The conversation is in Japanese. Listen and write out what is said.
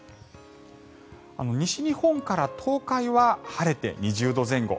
西日本から東海は晴れて２０度前後。